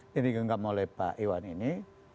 ini di genggam oleh pak iwan ini